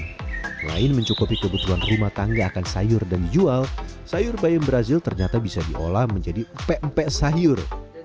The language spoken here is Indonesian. selain mencukupi kebutuhan rumah tangga akan sayur dan dijual sayur bayam brazil ternyata bisa diolah menjadi upek mpek sayur